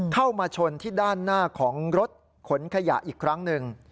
เข้ามาชนที่ด้านหน้าของรถขนขยะอีกครั้งหนึ่ง